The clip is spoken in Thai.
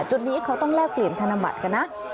จุดนี้เขาต้องแลกเปลี่ยนธนบัตรกันนะ